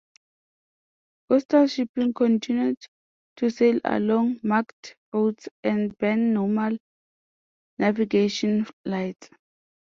Coastal shipping continued to sail along marked routes and burn normal navigation lights.